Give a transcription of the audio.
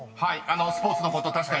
［スポーツのこと確かにそうです］